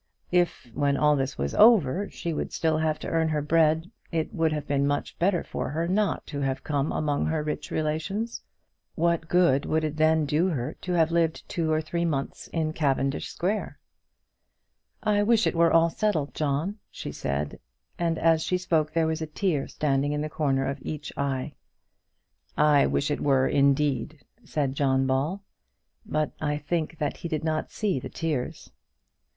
If, when all this was over, she would still have to earn her bread, it would have been much better for her not to have come among her rich relations. What good would it then do her to have lived two or three months in Cavendish Square? "I wish it were all settled, John," she said; and as she spoke there was a tear standing in the corner of each eye. "I wish it were, indeed," said John Ball; but I think that he did not see the tears.